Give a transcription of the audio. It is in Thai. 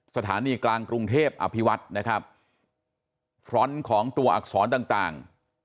สถานีกลางกรุงเทพอภิวัฒน์นะครับฟรอนต์ของตัวอักษรต่างต่าง